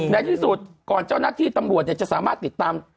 ในที่สุดก่อนเจ้าหน้าที่ตำรวจจะสามารถติดตาม